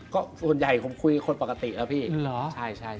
ก็ส่วนใหญ่ผมคุยคนปกติแล้วพี่